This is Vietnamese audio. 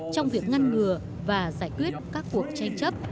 trong việc ngăn ngừa và giải quyết các cuộc tranh chấp